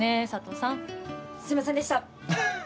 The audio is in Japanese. すいませんでした。